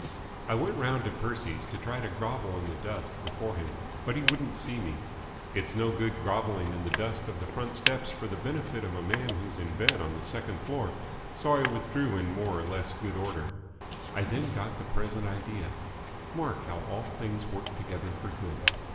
I went round to Percy's to try to grovel in the dust before him, but he wouldn't see me. It's no good grovelling in the dust of the front steps for the benefit of a man who's in bed on the second floor, so I withdrew in more or less good order. I then got the present idea. Mark how all things work together for good.